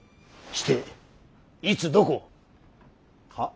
していつどこを。